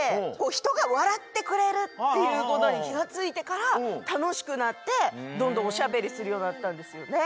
ひとがわらってくれるっていうことにきがついてからたのしくなってどんどんおしゃべりするようになったんですよね。